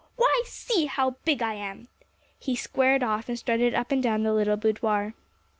Why, see how big I am now!" He squared off, and strutted up and down the little boudoir.